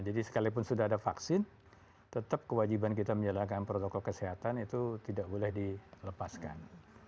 jadi sekalipun sudah ada vaksin tetap kewajiban kita menjalankan protokol kesehatan itu tidak boleh dilepaskan